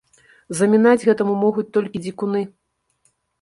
Замінаць гэтаму могуць толькі дзікуны.